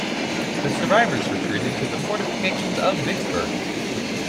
The survivors retreated to the fortifications of Vicksburg.